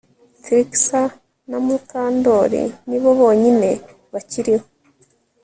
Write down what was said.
Trix na Mukandoli ni bo bonyine bakiriho